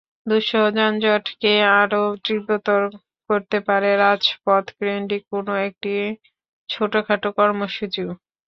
দুঃসহ যানজটকে আরও তীব্রতর করতে পারে রাজপথকেন্দ্রিক কোনো একটি ছোটখাটো কর্মসূচিও।